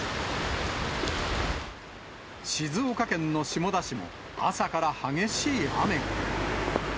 静岡県の下田市も朝から激しい雨が。